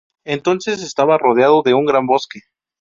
Entonces estaba rodeado de un gran bosque.